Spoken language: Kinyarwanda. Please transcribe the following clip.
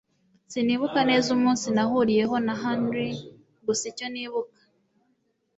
Sinibuka neza umunsi nahuriyeho na Henry gusa icyo nibuka